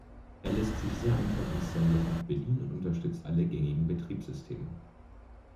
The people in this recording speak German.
Er lässt sich sehr einfach installieren und bedienen und unterstützt alle gängigen Betriebssysteme.